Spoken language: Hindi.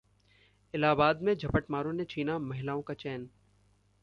इलाहाबाद में झपटमारों ने छीना महिलाओं का चैन